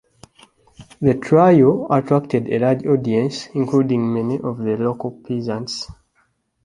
The trial attracted a large audience, including many of the local peasants.